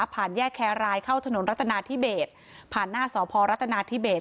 ผ่านแยกแครรายเข้าถนนรัฐนาที่เบศผ่านหน้าสอพรรัฐนาที่เบศ